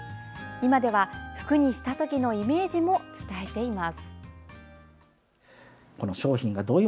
今では、服にしたときのイメージも伝えています。